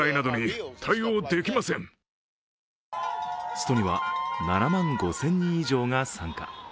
ストには７万５０００人以上が参加。